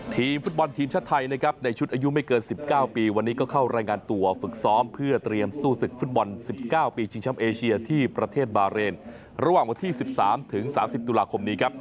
ทีมฟุตบอลทีมชาติไทยนะครับในชุดอายุไม่เกิน๑๙ปีวันนี้ก็เข้ารายงานตัวฝึกซ้อมเพื่อเตรียมสู้ศึกฟุตบอล๑๙ปีชิงช้ำเอเชียที่ประเทศบาเรนระหว่างวันที่๑๓๓๐ตุลาคมนี้ครับ